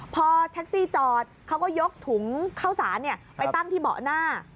พอแท็กซี่จอดเขาก็ยกถุงข้าวสารไปตั้งที่เบาะหน้า